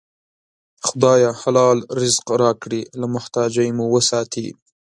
خدایه! حلال رزق راکړې، له محتاجۍ مو وساتې